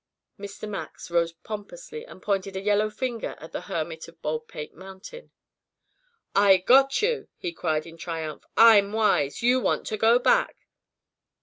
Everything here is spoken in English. Mr. Max rose pompously and pointed a yellow finger at the Hermit of Baldpate Mountain. "I got you!" he cried in triumph. "I'm wise! You want to go back."